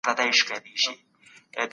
د حقایقو په منلو کې له ځنډه کار مه اخلئ.